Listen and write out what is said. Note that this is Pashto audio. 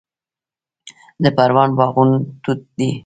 د پروان باغونه توت دي